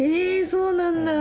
そうなんだ。